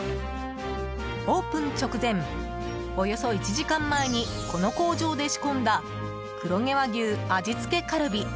オープン直前、およそ１時間前にこの工場で仕込んだ黒毛和牛味付けカルビ。